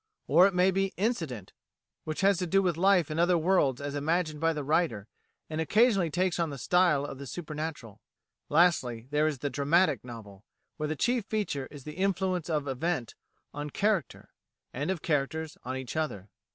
Or it may be "incident" which has to do with life in other worlds as imagined by the writer, and occasionally takes on the style of the supernatural. Lastly, there is the Dramatic novel, where the chief feature is the influence of event on character, and of characters on each other.